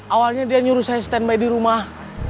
awalnya dia nyuruh saya stand by di rumah